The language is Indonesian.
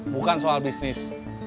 bukan soal bisnis